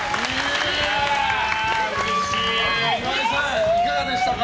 岩井さん、いかがでしたか。